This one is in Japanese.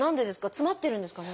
詰まってるんですかね？